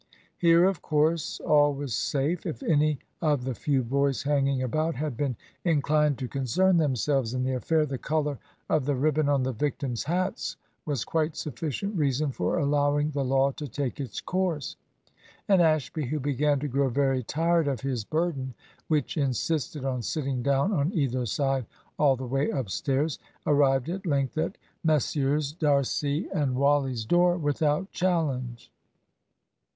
Here, of course, all was safe. If any of the few boys hanging about had been inclined to concern themselves in the affair, the colour of the ribbon on the victims' hats was quite sufficient reason for allowing the law to take its course; and Ashby, who began to grow very tired of his burden (which insisted on sitting down on either side all the way upstairs), arrived at length at Messrs. D'Arcy and Wally's door without challenge.